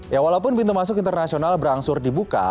ya walaupun pintu masuk internasional berangsur dibuka